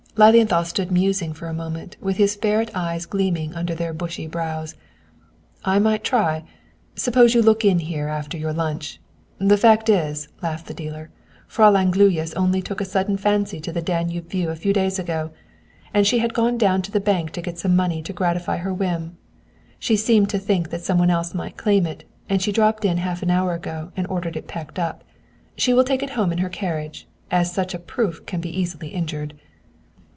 Lilienthal stood musing for a moment with his ferret eyes gleaming under their bushy brows. "I might try! Suppose you look in here after your lunch. The fact is," laughed the dealer, "Fräulein Gluyas only took a sudden fancy to the Danube view a few days ago. And she has gone down to the bank to get the money to gratify her whim. She seemed to think some one else might claim it, and she dropped in a half an hour ago, and ordered it packed up. She will take it home in her carriage, as such a proof can be easily injured."